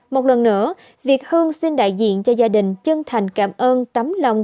một lần nữa việc hương xin đại diện cho gia đình chân thành cảm ơn tấm lòng